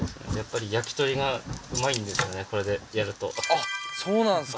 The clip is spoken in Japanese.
あっそうなんですか